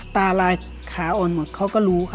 ตาลายขาอ่อนหมดเขาก็รู้ค่ะ